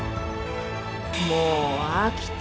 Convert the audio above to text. もう飽きた。